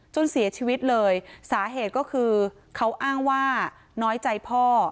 เสียชีวิตเลยสาเหตุก็คือเขาอ้างว่าน้อยใจพ่อ